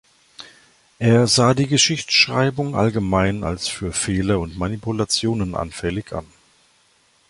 Er sah die Geschichtsschreibung allgemein als für Fehler und Manipulationen anfällig an.